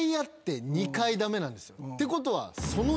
ってことは。